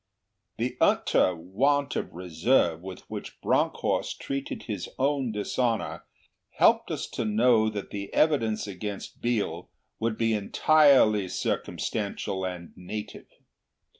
The utter want of reserve with which Bronckhorst treated his own dishonour helped us to know that the evidence against Biel would be entirely circumstantial and native.